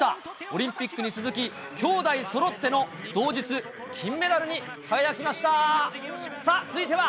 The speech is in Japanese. オリンピックに続き、きょうだいそろっての同日金メダルに輝きました。